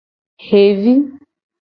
Xevi.